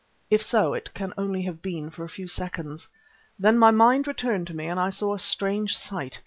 If so, it can only have been for a few seconds. Then my mind returned to me and I saw a strange sight.